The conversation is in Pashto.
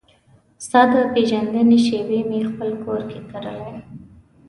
ستا د پیژندنې شیبې مې پخپل کور کې کرلې